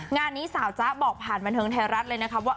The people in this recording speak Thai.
งานนี้สาวจ๊ะบอกผ่านบันเทิงไทยรัฐเลยนะคะว่า